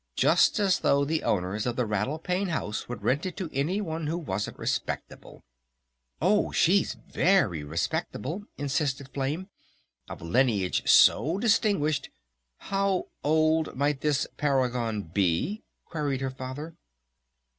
"Just as though the owners of the Rattle Pane House would rent it to any one who wasn't respectable!" "Oh, she's very respectable," insisted Flame. "Of a lineage so distinguished " "How old might this paragon be?" queried her Father.